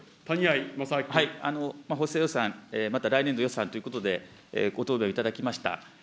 補正予算、また来年度予算ということでご答弁をいただきました。